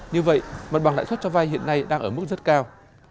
như vậy mặt bằng lãi suất cho vay hiện nay đang ở mức rất cao